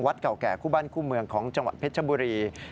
เก่าแก่คู่บ้านคู่เมืองของจังหวัดเพชรบุรี